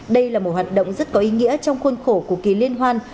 đây là một hoạt động rất có ý nghĩa trong khuôn khổ của kỳ liên hoan